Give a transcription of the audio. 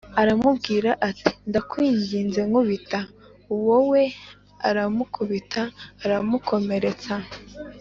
aramubwira ati “Ndakwinginze nkubita” Uwo we aramukubita aramukomeretsa